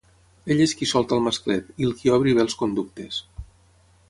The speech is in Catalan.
Ell és qui solta el masclet, i el qui obri bé els conductes.